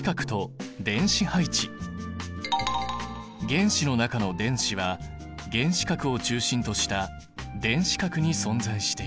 原子の中の電子は原子核を中心とした電子殻に存在している。